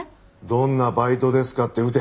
「どんなバイトですか？」って打て。